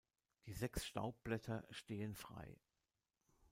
Die sechs Staubblätter stehen frei.